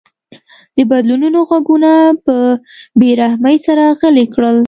د بدلونونو غږونه په بې رحمۍ سره غلي کړل.